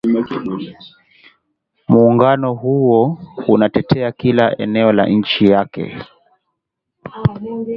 muungano huo utatetea kila eneo la nchi yake